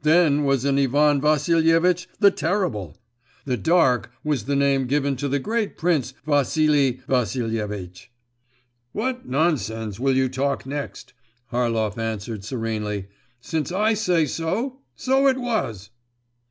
Then was an Ivan Vassilievitch the Terrible. The Dark was the name given to the great prince Vassily Vassilievitch.' 'What nonsense will you talk next!' Harlov answered serenely; 'since I say so, so it was!